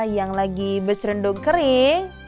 yang lagi becerendong kering